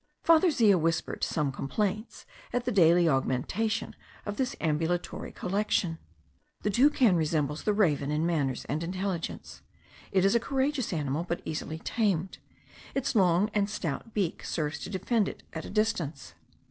Father Zea whispered some complaints at the daily augmentation of this ambulatory collection. The toucan resembles the raven in manners and intelligence. It is a courageous animal, but easily tamed. Its long and stout beak serves to defend it at a distance.